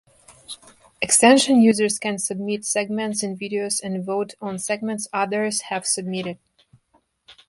Extension users can submit segments in videos and vote on segments others have submitted.